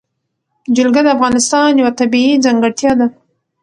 جلګه د افغانستان یوه طبیعي ځانګړتیا ده.